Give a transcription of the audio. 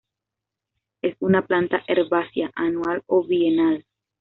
Es una planta herbácea anual o bienal.